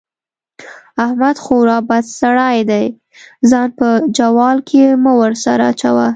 احمد خورا بد سړی دی؛ ځان په جوال کې مه ور سره اچوه.